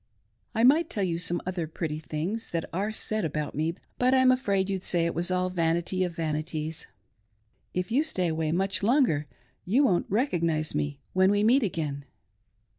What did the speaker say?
I might tell you some other pretty things that are said about me, but I'm afraid you'd say it was all vanity of vanities. If you stay away much longer you won't recognise me when we meet again.